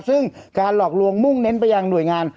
ซึ่งการหลอกลวงมุ่งเน้นไปยังหน่วยงาน